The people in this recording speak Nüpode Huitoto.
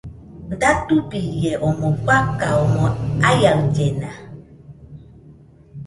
Datubirie omoi fakan omɨ aiaɨllena.